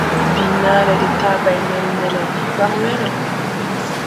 Bii na le de tabay nel nele nen baŋ were.